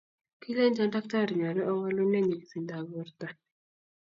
kilenchon daktari nyoluu owolune nyikisindab borto